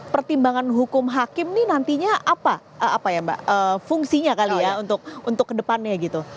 pertimbangan hukum hakim ini nantinya apa ya mbak fungsinya kali ya untuk kedepannya gitu